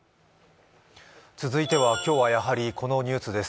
続いては今日はやはりこのニュースです。